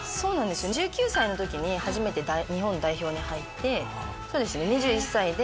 １９歳の時に初めて日本代表に入って２１歳で